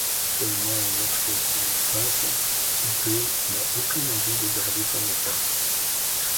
Seulement, lorsqu'elle tombe enceinte, Poupée n'a aucune envie de garder son enfant.